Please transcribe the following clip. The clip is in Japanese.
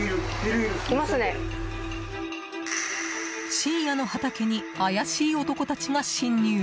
深夜の畑に怪しい男たちが侵入。